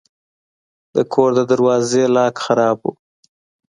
د کور د دروازې لاک خراب و.